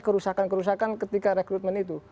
kerusakan kerusakan ketika rekrutmen itu